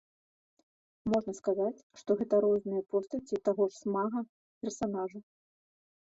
Можна сказаць, што гэта розныя постаці таго ж смага персанажу.